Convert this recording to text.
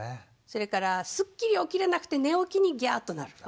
それからすっきり起きれなくて寝起きにギャーッと泣く。